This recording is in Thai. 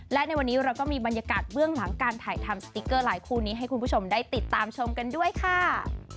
และในวันนี้เราก็มีบรรยากาศเบื้องหลังการถ่ายทำสติ๊กเกอร์หลายคู่นี้ให้คุณผู้ชมได้ติดตามชมกันด้วยค่ะ